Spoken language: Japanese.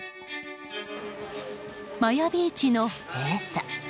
マヤビーチの閉鎖。